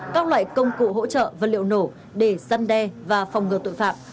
các loại công cụ hỗ trợ vật liệu nổ để săn đe và phòng ngừa tội phạm